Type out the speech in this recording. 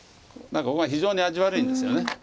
何かここが非常に味悪いんですよね。